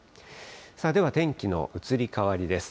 では、天気の移り変わりです。